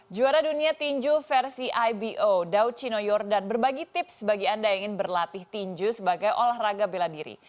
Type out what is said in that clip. juara dunia tinju versi ibo dau chino yordan berbagi tips bagi anda yang ingin berlatih tinju sebagai olahraga bela diri